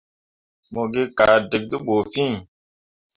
Mo gi kaa dǝkǝ te ɓu fiŋ.